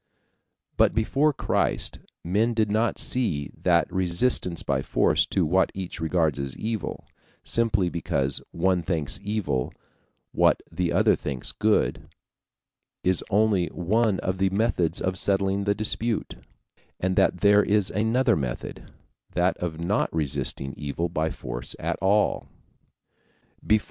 But before Christ, men did not see that resistance by force to what each regards as evil, simply because one thinks evil what the other thinks good, is only one of the methods of settling the dispute, and that there is another method, that of not resisting evil by force at all.